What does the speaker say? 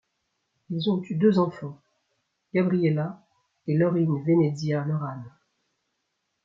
Ils ont eu deux enfants, Gabriella et Lorin Venezia Loran.